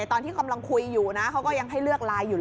ตอนที่กำลังคุยอยู่นะเขาก็ยังให้เลือกไลน์อยู่เลย